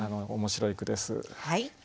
面白い句です。